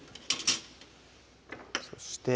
そして